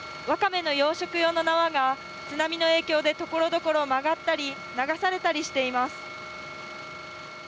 ワカメの養殖用の縄が津波の影響でところどころ曲がったり流されたりしています。